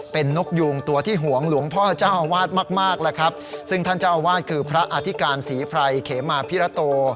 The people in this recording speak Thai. เป็นนกยูงตัวที่ห่วงหลวงพ่อเจ้าอาวาสมากมากแล้วครับซึ่งท่านเจ้าอาวาสคือพระอธิการศรีไพรเขมาพิระโต